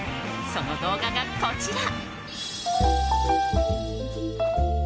その動画が、こちら。